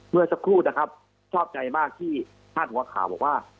เมื่อสักครู่นะครับชอบใจมากที่พาดหัวข่าวบอกว่า